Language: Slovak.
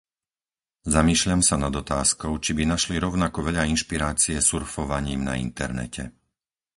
Zamýšľam sa nad otázkou, či by našli rovnako veľa inšpirácie surfovaním na internete.